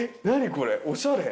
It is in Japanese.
何これ。